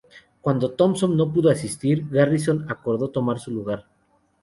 Cuando Thompson no pudo asistir, Garrison acordó tomar su lugar.